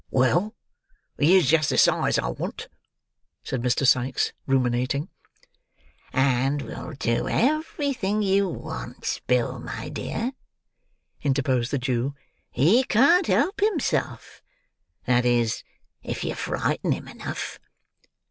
"Well, he is just the size I want," said Mr. Sikes, ruminating. "And will do everything you want, Bill, my dear," interposed the Jew; "he can't help himself. That is, if you frighten him enough."